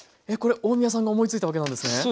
えこれ大宮さんが思いついたわけなんですね。